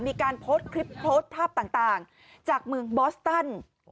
มีการโพสต์คลิปโพสต์ภาพต่างจากเมืองบอสตัน